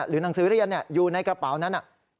หนังสือเรียนอยู่ในกระเป๋านั้น